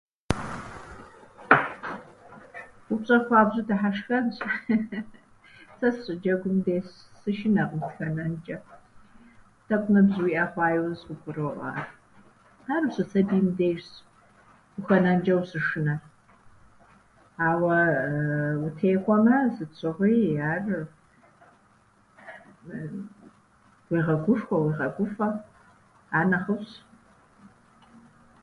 Упщӏэр хуабжьу дыхьэшхэнщ. Сэ сыщыджэгум де ссышынэкъым сыхэнэнчӏэ. Тӏэкӏу ныбжь уиӏэ хъуа иужь къыбгуроӏуэ ар. Ар ущысабийм дежщ ухэнэнчӏэ ущышынэр, ауэ утекӏуэмэ, сыт щыгъуи ар уегъэгушхуэ, уегъэгуфӏэ. Ар нэхъыфӏщ.